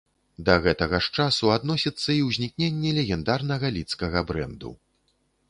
Да гэтага ж часу адносіцца і ўзнікненне легендарнага лідскага брэнду.